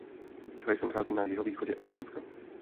Kraj se nachází na jihovýchodě Estonska.